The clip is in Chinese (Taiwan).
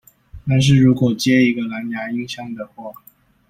但是如果接一個藍芽音箱的話